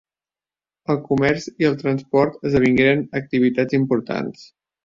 El comerç i el transport esdevingueren activitats importants.